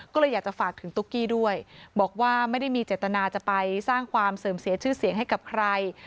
ก็เลยอยากจะฝากถึงตุ๊กกี้ด้วยบอกว่าไม่ได้มีเจตนาจะไปสร้างความเสื่อมเสียชื่อเสียงให้กับใคร